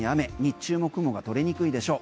日中も雲が取れにくいでしょう。